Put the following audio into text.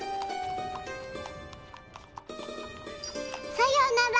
さよなら！